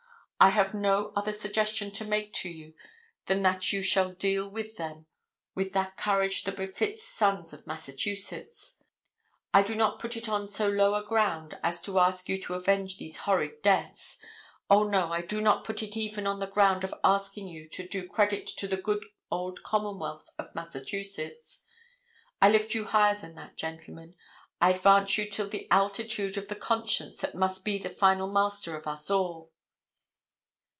I have no other suggestion to make to you than that you shall deal with them with that courage that befits sons of Massachusetts. I do not put it on so low a ground as to ask you to avenge these horrid deaths. O, no, I do not put it even on the ground of asking you to do credit to the good old commonwealth of Massachusetts. I lift you higher than that, gentlemen. I advance you to the altitude of the conscience that must be the final master of us all.